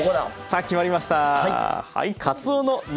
さあ決まりました。